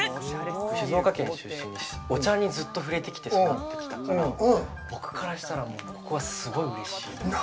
静岡県出身で、お茶にずっと触れてきて育ってきたから、僕からしたら、もうすごい嬉しい。